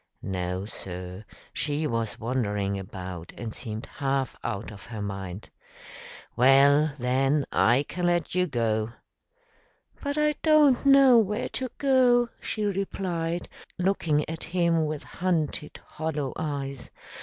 "No, sir; she was wandering about and seemed half out of her mind." "Well, then, I can let you go." "But I don't know where to go," she replied, looking at him with hunted, hollow eyes.